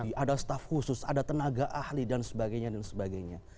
di ada staff khusus ada tenaga ahli dan sebagainya dan sebagainya